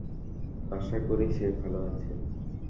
আশা করি সে ভালো আছে?